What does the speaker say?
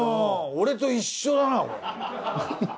俺と一緒だな。